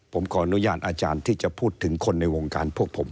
ผมขออนุญาตอาจารย์ที่จะพูดถึงคนในวงการพวกผม